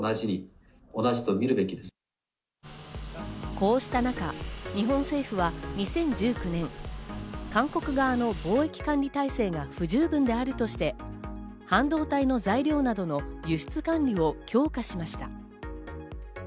こうした中、日本政府は２０１９年、韓国側の貿易管理体制が不十分であるとして、半導体の材料などの輸出管理を強化しました。